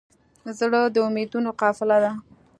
زړه د امیدونو قافله ده.